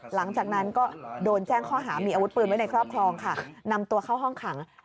หลังจากนั้นก็โดนแจ้งข้อหามีอาวุธปืนไว้ในครอบครองค่ะนำตัวเข้าห้องขัง